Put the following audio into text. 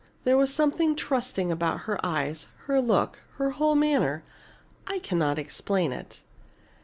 There was something trusting about her eyes, her look, her whole manner. I cannot explain it.